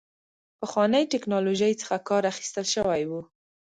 پخوانۍ ټکنالوژۍ څخه کار اخیستل شوی و.